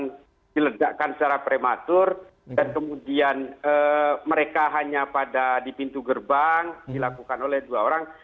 kemudian diledakkan secara prematur dan kemudian mereka hanya pada di pintu gerbang dilakukan oleh dua orang